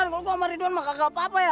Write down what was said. kalau kau sama ridwan maka gak apa apa ya